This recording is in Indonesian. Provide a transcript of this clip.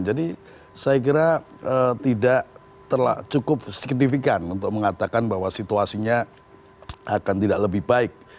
jadi saya kira tidak cukup signifikan untuk mengatakan bahwa situasinya akan tidak lebih baik